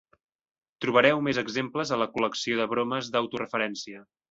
Trobareu més exemples a la col·lecció de bromes d'autoreferència.